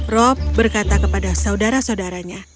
rob berkata kepada saudara saudaranya